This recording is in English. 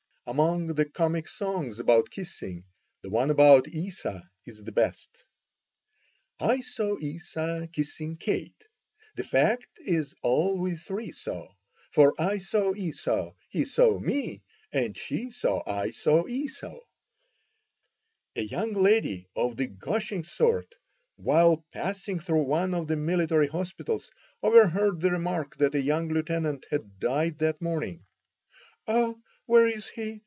Among the comic songs about kissing, the one about Esau is the best: I saw Esau kissing Kate; The fact is we all three saw; For I saw Esau, he saw me, And she saw I saw Esau! A young lady of the gushing sort, while passing through one of the military hospitals, overheard the remark that a young lieutenant had died that morning. "Oh, where is he?